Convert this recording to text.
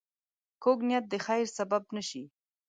کوږ نیت د خیر سبب نه شي